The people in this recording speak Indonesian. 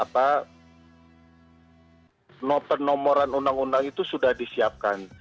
penomoran undang undang itu sudah disiapkan